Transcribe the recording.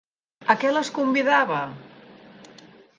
A què les convidava?